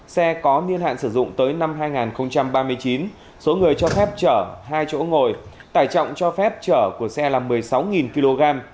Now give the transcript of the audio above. xe có niên hạn sử dụng tới năm hai nghìn ba mươi chín số người cho phép chở hai chỗ ngồi tải trọng cho phép chở của xe là một mươi sáu kg